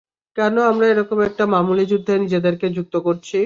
কেন আমরা এরকম একটা মামুলি যুদ্ধে নিজেদেরকে যুক্ত করছি?